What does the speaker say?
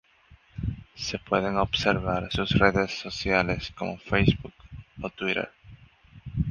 Se pueden observar sus redes sociales como Facebook o Twitter.